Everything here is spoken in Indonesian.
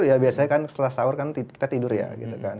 ya biasanya kan setelah sahur kan kita tidur ya gitu kan